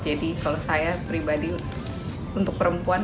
jadi kalau saya pribadi untuk perempuan